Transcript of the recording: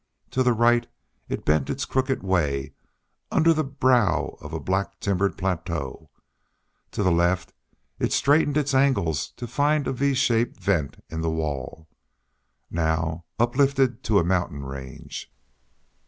To the right it bent its crooked way under the brow of a black timbered plateau; to the left it straightened its angles to find a V shaped vent in the wall, now uplifted to a mountain range.